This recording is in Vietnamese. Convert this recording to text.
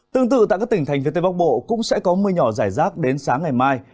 tương tự tại các tỉnh thành phía tây bắc bộ cũng sẽ có mưa nhỏ rải rác đến sáng ngày mai